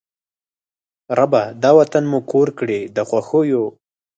ربه! دا وطن مو کور کړې د خوښیو